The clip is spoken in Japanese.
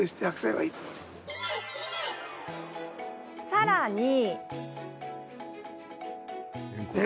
さらに。